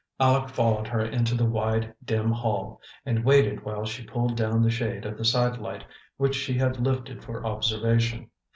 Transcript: Aleck followed her into the wide, dim hall, and waited while she pulled down the shade of the sidelight which she had lifted for observation.